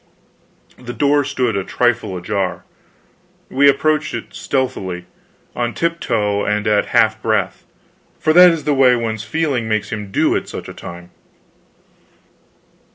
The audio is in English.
The door stood a trifle ajar. We approached it stealthily on tiptoe and at half breath for that is the way one's feeling makes him do, at such a time.